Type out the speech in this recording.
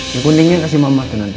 yang pentingnya kasih mama tuh nanti